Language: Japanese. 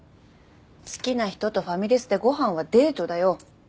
好きな人とファミレスでご飯はデートだよ。